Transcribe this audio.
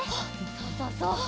そうそうそう！